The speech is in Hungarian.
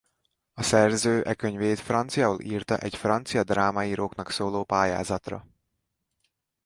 A szerző e könyvét franciául írta egy francia drámaíróknak szóló pályázatra.